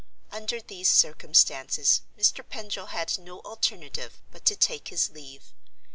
Under these circumstances, Mr. Pendril had no alternative but to take his leave.